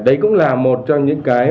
đấy cũng là một trong những cái